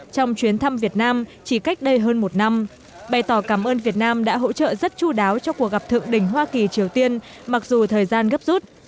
trong chuyến thăm việt nam chỉ cách đây hơn một năm bày tỏ cảm ơn việt nam đã hỗ trợ rất chú đáo cho cuộc gặp thượng đỉnh hoa kỳ triều tiên mặc dù thời gian gấp rút